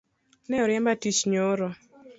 Ne oriemba tiich nyoro